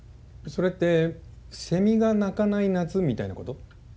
それってセミが鳴かない夏みたいなこと？